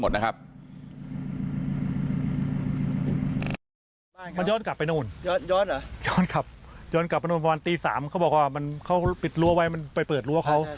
ย้อนกลับย้อนกลับประมาณตี๓เขาบอกว่ามันเขาปิดรั้วไว้มันไปเปิดรั้วเขา